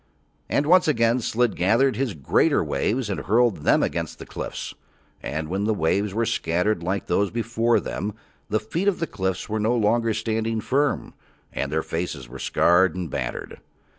And once again Slid gathered his greater waves and hurled them against the cliffs; and when the waves were scattered like those before them the feet of the cliffs were no longer standing firm, and their faces were scarred and battered.